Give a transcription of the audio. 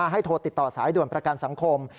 โทรติดต่อสายด่วนประกันสังคม